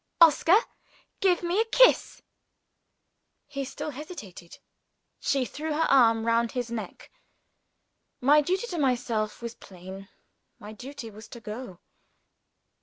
"Oscar! give me a kiss!" He still hesitated. She threw her arm round his neck. My duty to myself was plain my duty was to go.